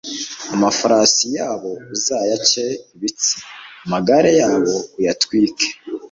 amafarasi yabo uzayace ibitsi maze amagare yabo uyatwike